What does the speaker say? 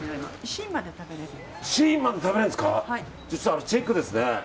あれ、チェックですね。